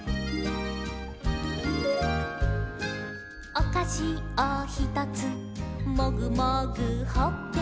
「おかしをひとつモグモグほっぺ」